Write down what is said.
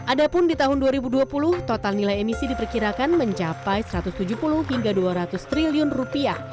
adapun di tahun dua ribu dua puluh total nilai emisi diperkirakan mencapai satu ratus tujuh puluh hingga dua ratus triliun rupiah